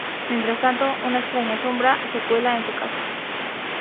Mientras tanto, una extraña sombra se cuela en su casa.